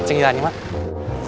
pak cengkirannya mak